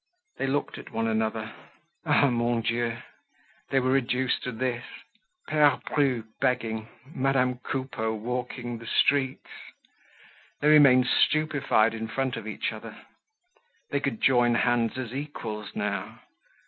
They looked at one another. Ah! Mon Dieu! They were reduced to this—Pere Bru begging, Madame Coupeau walking the streets! They remained stupefied in front of each other. They could join hands as equals now.